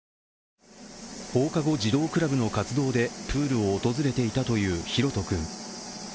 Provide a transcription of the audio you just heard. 放課後児童クラブの活動でプールを訪れていたという大翔君。